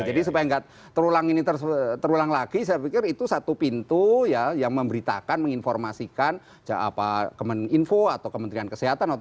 jadi supaya tidak terulang ini terulang lagi saya pikir itu satu pintu yang memberitakan menginformasikan info atau kementerian kesehatan